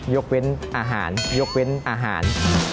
ยกเว้นอาหารยกเว้นอาหาร